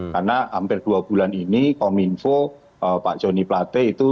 karena hampir dua bulan ini kominfo pak jonny plate itu